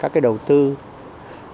và các đầu tư là các bối cảnh xã hội mới